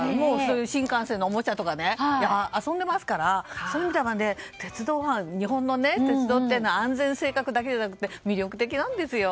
新幹線のおもちゃとかで遊んでいますからそういう意味で日本の鉄道って安全性だけじゃなくて魅力的なんですよ。